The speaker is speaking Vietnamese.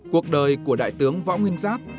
cuộc đời của đại tướng võ nguyên giáp